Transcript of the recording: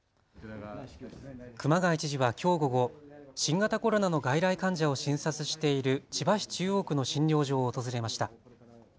熊谷知事はきょう午後、新型コロナの外来患者を診察している千葉市中央区の診療所を訪れました。